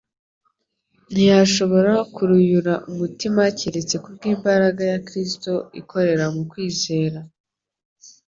Ntiyashobora kuruyura umutima keretse kubw'imbaraga ya Kristo ikorera mu kwizera.